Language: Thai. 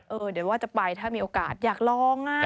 เดี๋ยวว่าจะไปถ้ามีโอกาสอยากลอง